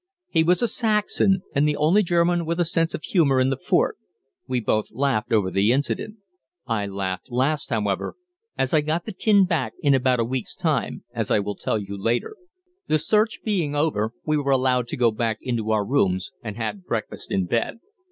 He was a Saxon, and the only German with a sense of humor in the fort. We both laughed over the incident. I laughed last, however, as I got the tin back in about a week's time, as I will tell later. The search being over, we were allowed to go back into our rooms, and had breakfast in bed.